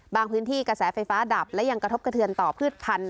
พื้นที่กระแสไฟฟ้าดับและยังกระทบกระเทือนต่อพืชพันธุ